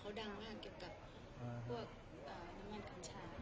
ทุติยังปิตพุทธธาเป็นที่พึ่ง